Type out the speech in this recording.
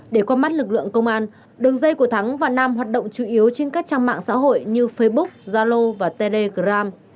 để qua mắt lực lượng công an đường dây của thắng và nam hoạt động chủ yếu trên các trang mạng xã hội như facebook zalo và telegram